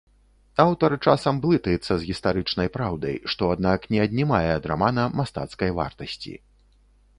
Аўтар часам блытаецца з гістарычнай праўдай, што аднак не аднімае ад рамана мастацкай вартасці.